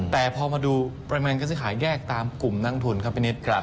แต่พอมาดูปริมาณกระแสก็จะขายแยกตามกลุ่มนักทุนครับพี่นิต